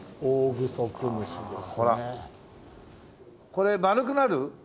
これ丸くなる？